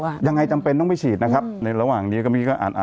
มีคนส่งมาด้วยใช่ไหม